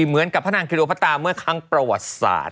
เหมือนกับพระนางคิโลพระตาเมื่อครั้งประวัติศาสตร์